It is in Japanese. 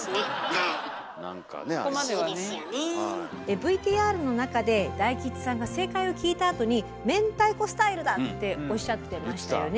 ＶＴＲの中で大吉さんが正解を聞いたあとに「明太子スタイルだ」っておっしゃってましたよね。